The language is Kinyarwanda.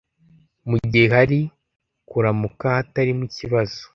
mugihe hari kuramuka hatarimo ikibazo